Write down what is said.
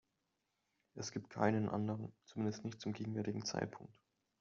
Es gibt keinen anderen, zumindest nicht zum gegenwärtigen Zeitpunkt.